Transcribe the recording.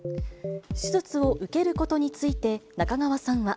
手術を受けることについて、中川さんは。